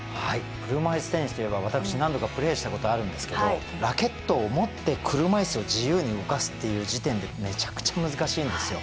車いすテニスといえば私何度かプレーしたことあるんですけどラケットを持って車いすを自由に動かすっていう時点でめちゃくちゃ難しいんですよ。